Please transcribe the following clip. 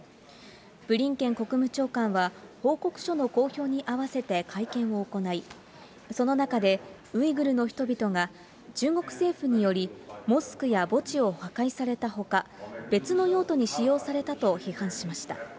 ブリンケン国務長官は報告書の公表に合わせて会見を行い、その中でウイグルの人々が中国政府によりモスクや墓地を破壊されたほか、別の用途に使用されたと批判しました。